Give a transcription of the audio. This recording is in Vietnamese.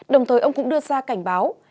đồng thời ông cũng đưa ra cảnh báo